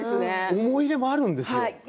思い出があるんですよ。